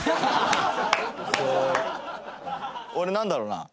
俺なんだろうな。